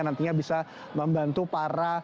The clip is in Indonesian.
nantinya bisa membantu para